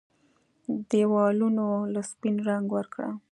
ديوالونو له سپين رنګ ورکړه